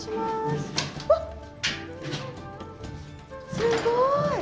すごい！